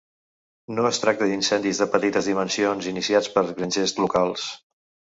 No es tracta d'incendis de petites dimensions iniciats per grangers locals.